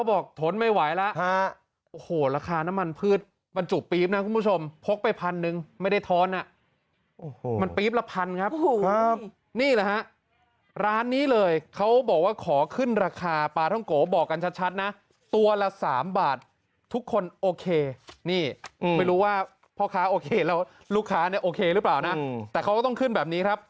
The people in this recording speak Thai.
โอเคหรือเปล่านะแต่เขาก็ต้องขึ้นแบบนี้ครับ